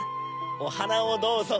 おはなをどうぞ。